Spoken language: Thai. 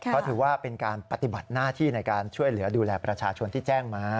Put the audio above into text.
เพราะถือว่าเป็นการปฏิบัติหน้าที่ในการช่วยเหลือดูแลประชาชนที่แจ้งมา